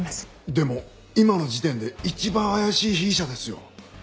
でも今の時点で一番怪しい被疑者ですよ。